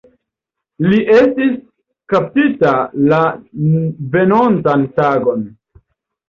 Li estis kaptita la venontan tagon.